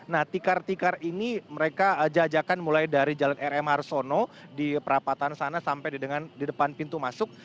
nah tikar tikar ini mereka jajakan mulai dari jalan rm harsono di perapatan sana sampai di depan pintu masuk